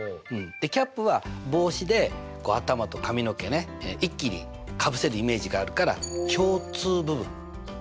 ∩は帽子で頭と髪の毛ね一気にかぶせるイメージがあるから共通部分ね。